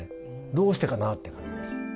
どうしてかな？って感じですよね。